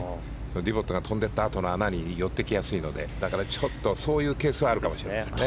ディボットが飛んでったあとの穴に寄っていきやすいのでそういうケースがあるかもしれませんね。